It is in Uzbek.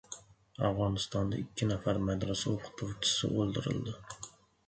Afg‘onistonda ikki nafar madrasa o‘qituvchisi o‘ldirildi